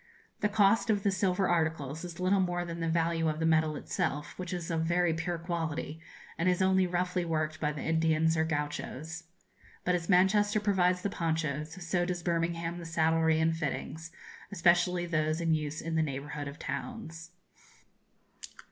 The cost of the silver articles is little more than the value of the metal itself, which is of very pure quality, and is only roughly worked by the Indians or Gauchos. But as Manchester provides the ponchos, so does Birmingham the saddlery and fittings, especially those in use in the neighbourhood of towns.